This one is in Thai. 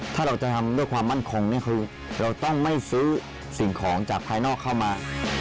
ถ้าเราจะทำด้วยความมั่นคงเนี่ยคือเราต้องไม่ซื้อสิ่งของจากภายนอกเข้ามา